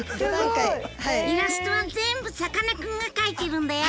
イラストは全部さかなクンが描いてるんだよ。